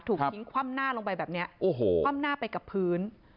ถูกถึงคว่ำหน้าลงไปแบบนี้คว่ำหน้าไปกับพื้น